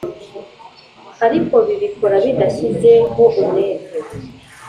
ariko bibikora bidashyizeho umwete.